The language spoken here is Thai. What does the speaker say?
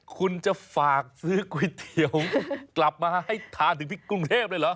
คุณจะฝากซื้อก๋วยเตี๋ยวกลับมาให้ทานถึงที่กรุงเทพเลยเหรอ